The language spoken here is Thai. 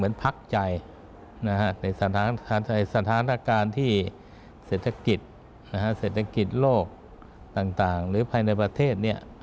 ในสถานการณ์ที่เศรษฐกิจโลกต่างหรือภายในประเทศ